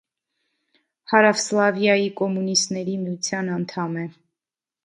Հարավսլավիայի կոմունիստների միության անդամ է։